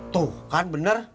tuh kan bener